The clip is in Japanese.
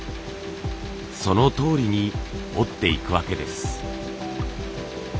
そのとおりに織っていくわけです。